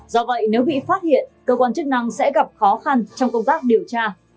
do vậy nếu bị phát hiện cơ quan chức năng sẽ gặp khó khăn trong công tác điều tra